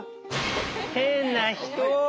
変な人。